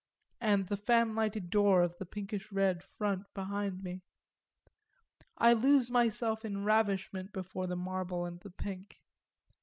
and fan lighted door of the pinkish red front behind me. I lose myself in ravishment before the marble and the pink.